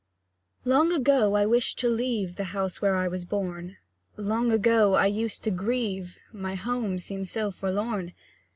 Long ago I wished to leave "The house where I was born;" Long ago I used to grieve, My home seemed so forlorn.